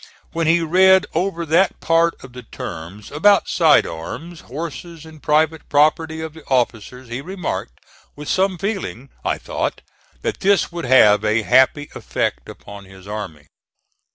When he read over that part of the terms about side arms, horses and private property of the officers, he remarked, with some feeling, I thought, that this would have a happy effect upon his army.